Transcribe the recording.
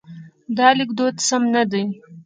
دا لیکدود سم نه دی.